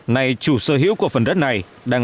này chủ sở hữu của phần đất này